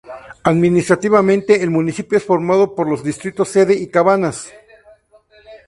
Administrativamente, el municipio es formado por los distritos sede y Cabanas.